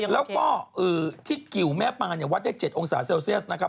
แล้วก็ที่กิวแม่ปานเนี่ยวัดได้๗องศาเซลเซียสนะครับ